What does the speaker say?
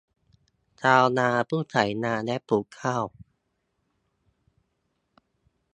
ชาวนาผู้ไถนาและปลูกข้าว